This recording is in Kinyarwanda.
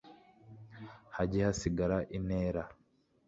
hajye hasigara intera